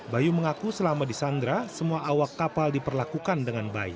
bayu mengaku selama di sandra semua awak kapal diperlakukan dengan baik